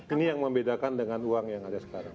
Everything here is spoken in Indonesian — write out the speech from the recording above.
ini yang membedakan dengan uang yang ada sekarang